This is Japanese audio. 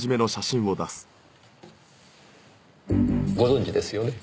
ご存じですよね？